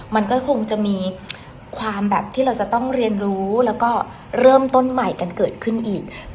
มันก็คงจะมีความแบบที่เราจะต้องเรียนรู้แล้วก็เริ่มต้นใหม่กันเกิดขึ้นอีก